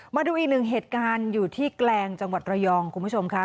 มาดูอีกหนึ่งเหตุการณ์อยู่ที่แกลงจังหวัดระยองคุณผู้ชมค่ะ